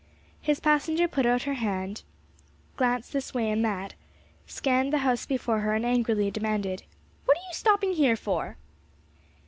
His passenger put out her head, glanced this way and that, scanned the house before her, and angrily demanded, "What are you stopping here for?"